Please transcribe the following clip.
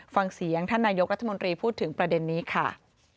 ฟังเสียงท่านนายกรัฐมนตรีพูดถึงประเด็นนี้ค่ะ